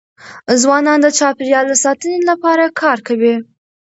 ځوانان د چاپېریال د ساتني لپاره کار کوي.